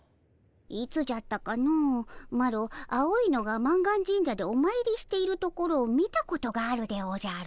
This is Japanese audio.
いつじゃったかのマロ青いのが満願神社でおまいりしているところを見たことがあるでおじゃる。